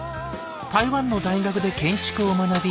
台湾の大学で建築を学び